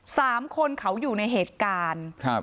สามคนเขาอยู่ในเหตุการณ์ครับ